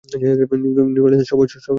New অর্লিন্সে, সবাই ডাঙায় চলো!